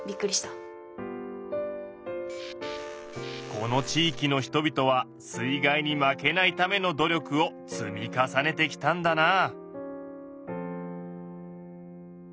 この地域の人々は水害に負けないための努力を積み重ねてきたんだなあ。